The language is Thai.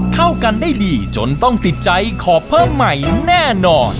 เข้ากันได้ดีจนต้องติดใจขอเพิ่มใหม่แน่นอน